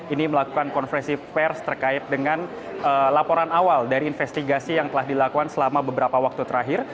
ini melakukan konferensi pers terkait dengan laporan awal dari investigasi yang telah dilakukan selama beberapa waktu terakhir